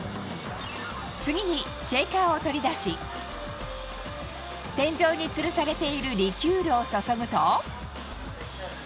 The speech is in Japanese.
次にシェーカーを取り出し天井につるされているリキュールを注ぐと。